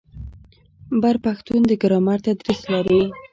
بر پښتون د ګرامر تدریس لري.